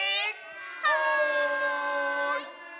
はい！